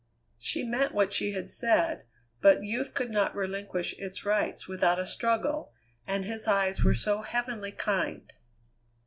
She meant what she had said, but youth could not relinquish its rights without a struggle, and his eyes were so heavenly kind.